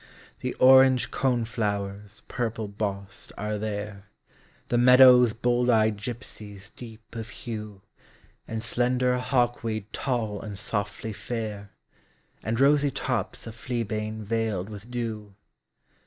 The orange cone flowers purple bossed are there, The meadow's bold eyed gypsies deep of hue, And slender hawkweed tall and softly fair, And rosy tops of fleabane veiled with dew.